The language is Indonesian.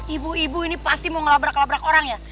ibu ibu ini pasti mau ngelabrak labrak orang ya